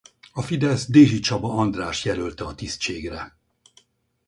A Fidesz Dézsi Csaba Andrást jelölte a tisztségre.